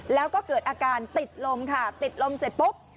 แล้วก็เกิดอาการติดลมค่ะติดลมเสร็จปุ๊บ